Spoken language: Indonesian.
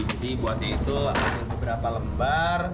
jadi buatnya itu ada beberapa lembar